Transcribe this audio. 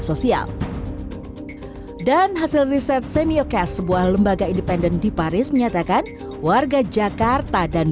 sosial dan hasil riset semiocast sebuah lembaga independen di paris menyatakan warga jakarta dan